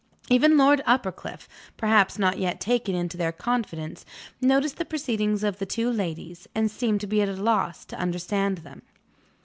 Even Lord Uppercliff (perhaps not yet taken into their confidence) noticed the proceedings of the two ladies, and seemed to be at a loss to understand them.